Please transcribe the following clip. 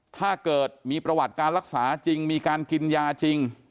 ถ้าเกิดมีประวัติการรักษาจริงมีการกินยาจริง